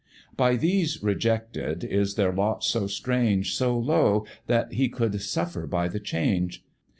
By these rejected, is their lot so strange, So low! that he could suffer by the change?